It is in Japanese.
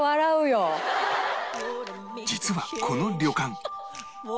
実はこの旅館